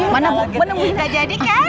mana bu ina jadi kan